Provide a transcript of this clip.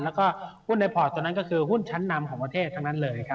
แล้วก็หุ้นในพอร์ตตอนนั้นก็คือหุ้นชั้นนำของประเทศทั้งนั้นเลยครับ